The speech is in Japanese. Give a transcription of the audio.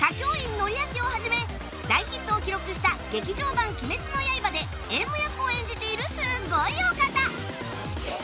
典明をはじめ大ヒットを記録した劇場版『鬼滅の刃』で魘夢役を演じているすっごいお方